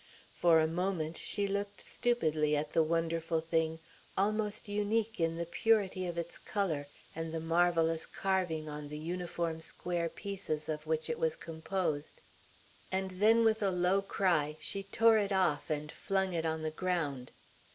For a moment she looked stupidly at the wonderful thing, almost unique in the purity of its colour and the marvellous carving on the uniform square pieces of which it was composed, and then with a low cry she tore it off and flung it on the ground.